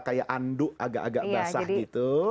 kayak anduk agak agak basah gitu